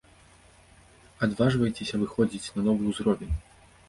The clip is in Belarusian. Адважвайцеся выходзіць на новы ўзровень!